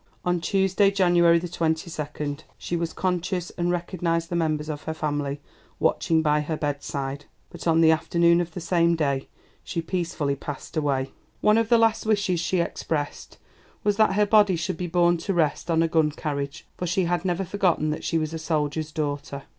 On Tuesday, January 22, she was conscious and recognized the members of her family watching by her bedside, but on the afternoon of the same day she peacefully passed away. One of the last wishes she expressed was that her body should be borne to rest on a gun carriage, for she had never forgotten that she was a soldier's daughter.